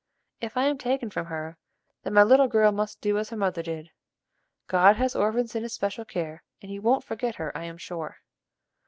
"If I am taken from her, then my little girl must do as her mother did. God has orphans in His special care, and He won't forget her I am sure."